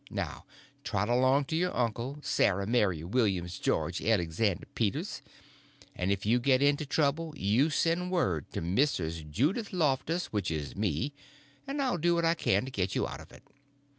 Now trot along to your uncle, Sarah Mary Williams George Elexander Peters, and if you get into trouble you send word to Mrs. Judith Loftus, which is me, and I'll do what I can to get you out of it.